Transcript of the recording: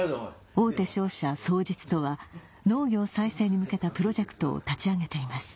大手商社双日とは農業再生に向けたプロジェクトを立ち上げています